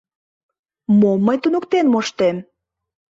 — Мом мый туныктен моштем?